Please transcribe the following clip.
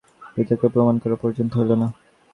পিতৃব্যকে প্রণাম করা পর্যন্ত হইল না।